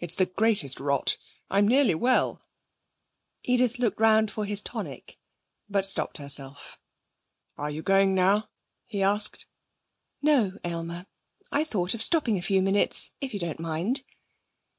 It's the greatest rot. I'm nearly well.' Edith looked round for his tonic, but stopped herself. 'Are you going now?' he asked. 'No, Aylmer. I thought of stopping a few minutes, if you don't mind.'